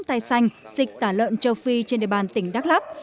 tay xanh dịch tả lợn châu phi trên địa bàn tỉnh đắk lắc